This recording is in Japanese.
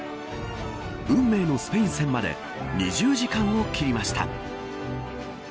運命のスペイン戦まで２０時間を切りました。